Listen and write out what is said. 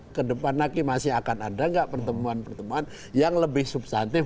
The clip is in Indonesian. kebanyakan ke depan lagi masih akan ada nggak pertemuan pertemuan yang lebih substantif